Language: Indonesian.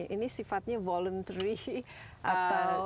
ini sifatnya voluntary atau